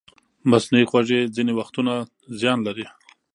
مصنوعي خوږې ځینې وختونه زیان لري.